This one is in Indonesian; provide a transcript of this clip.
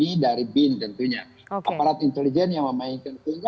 ini dari bin tentunya aparat intelijen yang memainkan